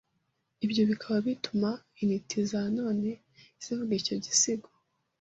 ibyo bikaba bituma intiti za none zivuga icyo gisigo